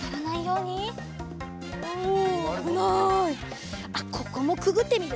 うん。